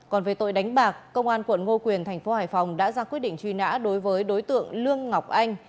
còn về tội đánh bạc công an quận ngô quyền thành phố hải phòng đã ra quyết định truy nã đối với đối tượng lương ngọc anh